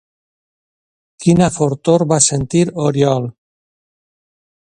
Quina fortor va sentir l'Oriol?